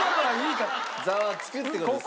ザワつく！って事ですね。